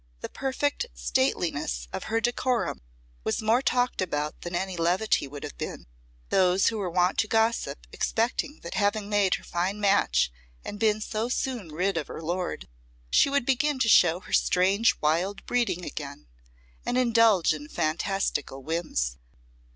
The perfect stateliness of her decorum was more talked about than any levity would have been; those who were wont to gossip expecting that having made her fine match and been so soon rid of her lord, she would begin to show her strange wild breeding again, and indulge in fantastical whims.